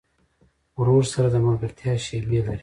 ورور سره د ملګرتیا شیبې لرې.